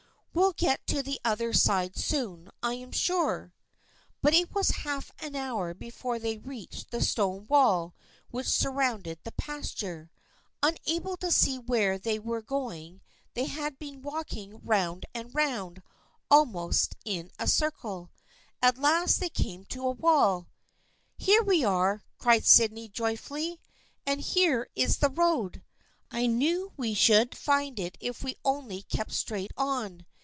We'll get to the other side soon, I am sure." But it was half an hour before they reached the stone wall which surrounded the pasture. Un able to see where they were going they had been walking round and round, almost in a circle. At last they came to a wall. " Here we are !" cried Sydney, joyfully ;" and here is the road. I knew we should find it if we only kept straight on.